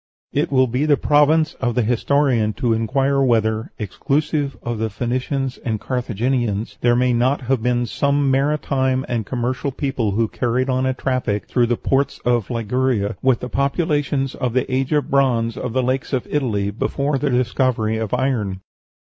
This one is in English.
It will be the province of the historian to inquire whether, exclusive of Phoenicians and Carthaginians, there may not have been some maritime and commercial people who carried on a traffic through the ports of Liguria with the populations of the age of bronze of the lakes of Italy before the discovery of iron.